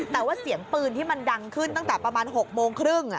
แต่ว่าเสียงปืนที่มันดังขึ้นตั้งแต่ประมาณ๖โมงครึ่ง